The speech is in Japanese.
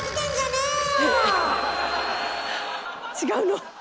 違うの？